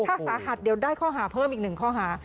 ถ้าสาหัสเดี๋ยวได้ข้อหาเพิ่มอีก๑ข้อหา